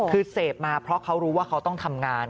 คือเสพมาเพราะเขารู้ว่าเขาต้องทำงาน